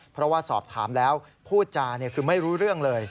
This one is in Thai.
เพราะว่าสอบถามแล้วพูดจาคือไม่รู้เรื่องเลย